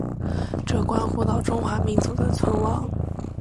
这关乎到中华民族的存亡。